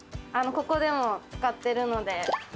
ここでも使ってるので。